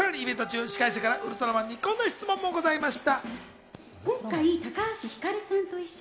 イベント中、司会者からウルトラマンにこんな質問もありました。